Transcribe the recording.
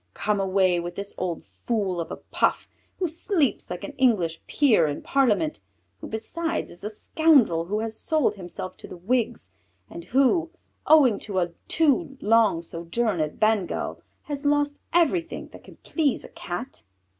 Come away from this old fool of a Puff, who sleeps like an English Peer in parliament, who besides is a scoundrel who has sold himself to the Whigs, and who, owing to a too long sojourn at Bengal, has lost everything that can please a Cat."